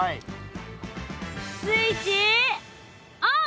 スイッチオン。